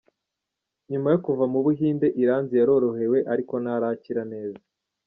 Nyuma yo kuva mu Buhinde, Iranzi yarorohewe ariko ntarakira neza.